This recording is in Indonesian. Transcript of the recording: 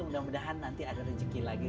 mudah mudahan nanti ada rezeki lagi